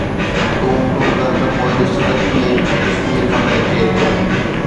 تون حڪم ڪر پوءِ ڏس ته ڪشمير ڪيئن فتح ٿئي ٿو